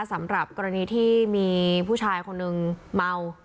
สำหรับกรณีที่มีผู้ชายคนหนึ่งเมา